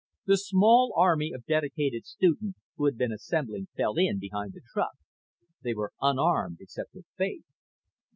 The small army of dedicated students who had been assembling fell in behind the truck. They were unarmed, except with faith.